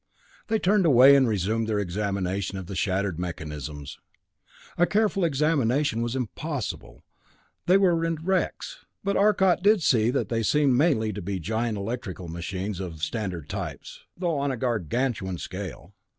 They turned away and resumed their examination of the shattered mechanisms. A careful examination was impossible; they were wrecks, but Arcot did see that they seemed mainly to be giant electrical machines of standard types, though on a gargantuan scale.